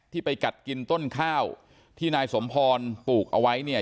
ไปกัดกินต้นข้าวที่นายสมพรปลูกเอาไว้เนี่ย